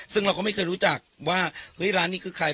ซึ่งเราก็ไม่เคยรู้จักว่าเฮ้ยร้านนี้คือใคร